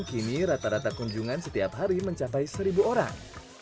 kini rata rata kunjungan setiap hari mencapai seribu orang